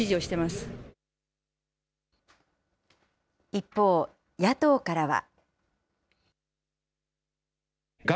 一方、野党からは。